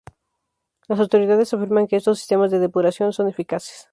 Las autoridades afirman que estos sistemas de depuración son eficaces.